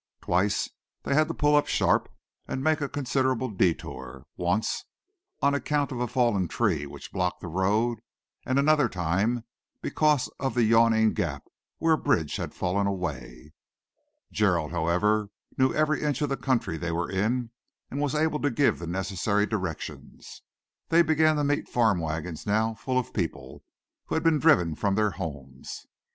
Twice they had to pull up sharp and make a considerable detour, once on account of a fallen tree which blocked the road, and another time because of the yawning gap where a bridge had fallen away. Gerald, however, knew every inch of the country they were in and was able to give the necessary directions. They began to meet farm wagons now, full of people who had been driven from their homes.